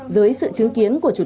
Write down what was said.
giới sự chứng kiến của